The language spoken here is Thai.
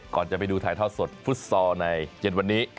ก่อนจะไปดูถ่ายทอดสดฟุตซอลในเย็นวันนี้